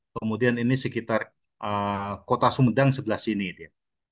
kemudian ini sekitar kota sumedang sebelah sini dia